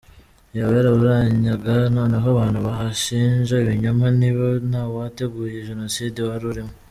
Yaba yaraburanyaga noneho abantu abashinja ibinyoma, niba ntawateguye jenoside wari urimo !!